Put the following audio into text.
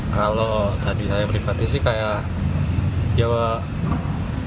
kalau tadi saya pribadi sih kayak ya pak